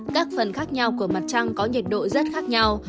các phần khác nhau của mặt trăng có nhiệt độ rất khác nhau